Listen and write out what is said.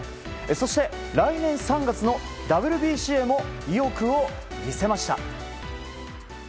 そして、来年３月のＷＢＣへも意欲を見せました。